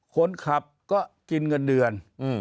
คนขับก็กินเงินเดือน